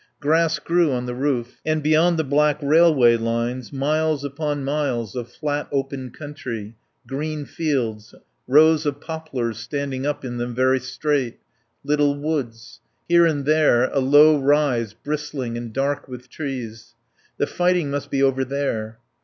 Grass grew on the roof. And beyond the black railway lines miles upon miles of flat open country, green fields, rows of poplars standing up in them very straight; little woods; here and there a low rise bristling and dark with trees. The fighting must be over there.